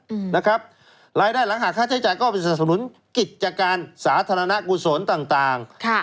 อืมนะครับรายได้หลังหากค่าใช้จ่ายก็ไปสนับสนุนกิจการสาธารณะกุศลต่างต่างค่ะ